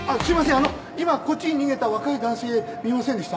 あの今こっちに逃げた若い男性見ませんでした？